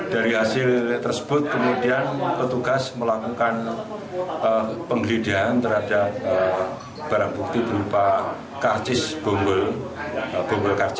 dari hasil tersebut kemudian petugas melakukan penggelidahan terhadap barang bukti berupa karcis bonggol